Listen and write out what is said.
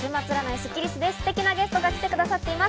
ステキなゲストが来てくださっています。